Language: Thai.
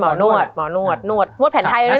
มันทำให้ชีวิตผู้มันไปไม่รอด